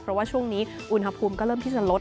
เพราะว่าช่วงนี้อุณหภูมิก็เริ่มที่จะลด